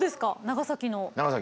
長崎の。